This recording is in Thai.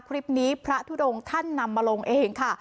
พระทุดงท่านนำมาลงเองค่ะ